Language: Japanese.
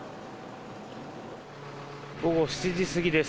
午後７時過ぎです。